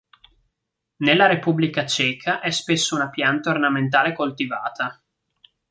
Nella Repubblica Ceca è spesso una pianta ornamentale coltivata.